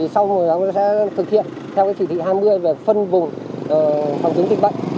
sau đó chúng ta sẽ thực hiện theo cái chỉ thị hai mươi về phân vùng phòng chống tịch bệnh